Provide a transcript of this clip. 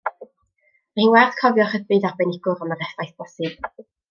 Mae hi'n werth cofio rhybudd arbenigwr am yr effaith bosib.